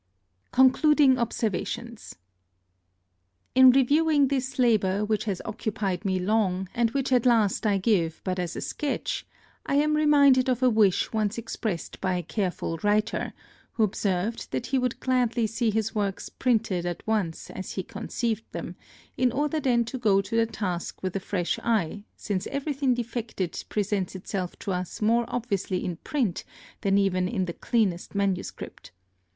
CONCLUDING OBSERVATIONS. In reviewing this labour, which has occupied me long, and which at last I give but as a sketch, I am reminded of a wish once expressed by a careful writer, who observed that he would gladly see his works printed at once as he conceived them, in order then to go to the task with a fresh eye; since everything defective presents itself to us more obviously in print than even in the cleanest manuscript.